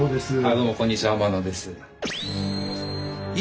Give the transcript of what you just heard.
どうもこんにちは天野です。